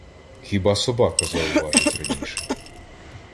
Хіба собака зауважить раніше.